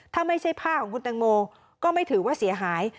ถ้าไม่ใช่ผ้าของคุณตังโมก็ไม่ถือว่าเสียหาย